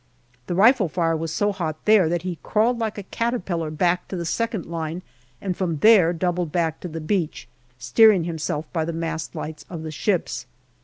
The rifle fire was so hot there that he crawled like a caterpillar back to the second line, and from there doubled back to the beach, steering himself by the mast lights of the ships.